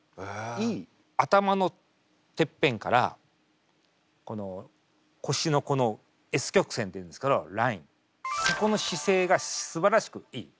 頭のてっぺんからこの腰のこのＳ曲線っていうんですけどラインそこの姿勢がすばらしくいい。